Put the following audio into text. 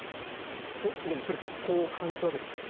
でも、反田さんはこう感じたわけですね。